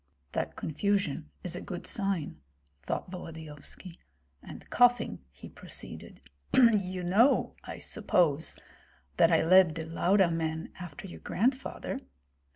"That confusion is a good sign," thought Volodyovski; and coughing he proceeded: "You know, I suppose, that I led the Lauda men after your grandfather?"